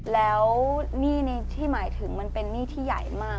แล้วหนี้ที่หมายถึงมันเป็นหนี้ที่ใหญ่มาก